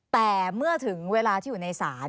แต่เมื่อถึงเวลาที่อยู่ในศาล